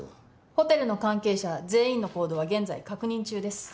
ホテルの関係者全員の行動は現在確認中です。